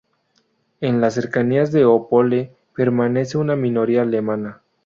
En las cercanías de Opole, permanece una minoría alemana.